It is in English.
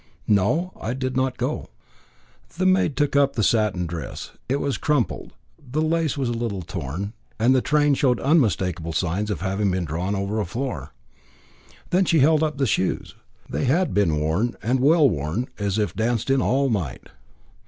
"No; I did not go." The maid took up the satin dress. It was crumpled, the lace was a little torn, and the train showed unmistakable signs of having been drawn over a floor. She then held up the shoes. They had been worn, and well worn, as if danced in all night.